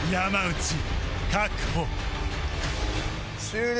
終了。